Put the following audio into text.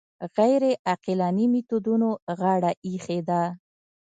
غیر عقلاني میتودونو غاړه ایښې ده